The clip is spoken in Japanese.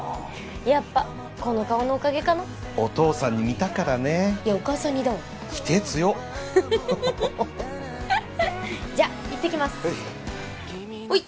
やっぱこの顔のおかげかなお父さんに似たからねいやお母さん似だわ否定強っじゃ行ってきますほい